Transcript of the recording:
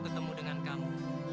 aku ketemu dengan kamu